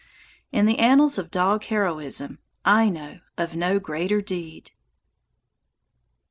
In the annals of dog heroism, I know of no greater deed.